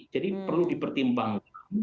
jadi perlu dipertimbangkan